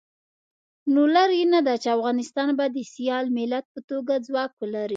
نو لرې نه ده چې افغانستان به د سیال ملت په توګه ځواک ولري.